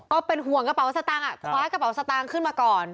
ก็เป็นห่วงกระเป๋าสตางค์คว้ากระเป๋าสตางค์ขึ้นมาก่อน